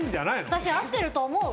私合ってると思う。